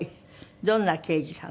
どんな刑事さん？